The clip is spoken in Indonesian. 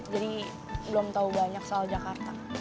jadi belum tahu banyak soal jakarta